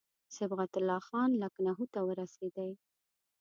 صبغت الله خان لکنهو ته ورسېدی.